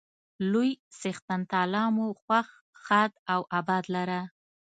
لوی څښتن تعالی مو خوښ، ښاد او اباد لره.